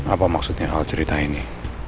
apa maksudnya hal cerita ini